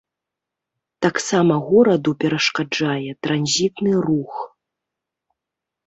Таксама гораду перашкаджае транзітны рух.